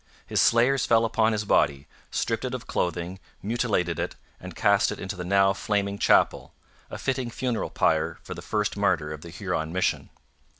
His slayers fell upon his body, stripped it of clothing, mutilated it, and cast it into the now flaming chapel, a fitting funeral pyre for the first martyr of the Huron mission.